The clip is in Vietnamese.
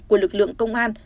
của lực lượng công an